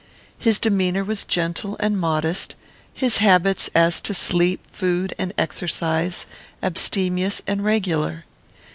His demeanour was gentle and modest; his habits, as to sleep, food, and exercise, abstemious and regular.